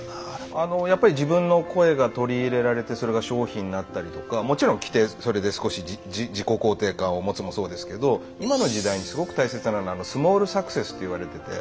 あのやっぱり自分の声が取り入れられてそれが商品になったりとかもちろん着てそれで少し自己肯定感を持つもそうですけど今の時代にすごく大切なのはスモールサクセスと言われてて。